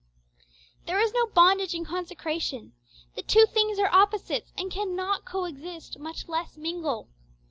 There is no bondage in consecration. The two things are opposites, and cannot co exist, much less mingle.